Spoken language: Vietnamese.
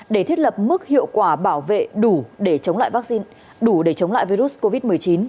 để thiết lập mức hiệu quả bảo vệ đủ để chống lại virus covid một mươi chín